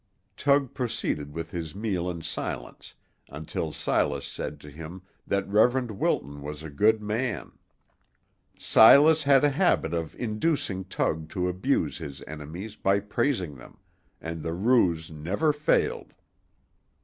Tug proceeded with his meal in silence until Silas said to him that Reverend Wilton was a good man. Silas had a habit of inducing Tug to abuse his enemies by praising them, and the ruse never failed.